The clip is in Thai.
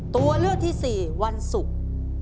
ตัวเลือกที่๔วันศุกร์